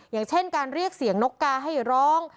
อย่างเช่นการเรียกเสียงนกกาให้ร้อง